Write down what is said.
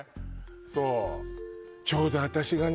そうちょうど私がね